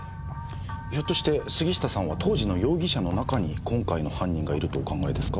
ひょっとして杉下さんは当時の容疑者の中に今回の犯人がいるとお考えですか？